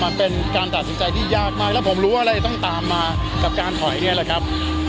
มันเป็นการตัดสินใจที่ยากมากแล้วผมรู้ว่าเราจะต้องตามมากับการถอยเนี่ยแหละครับ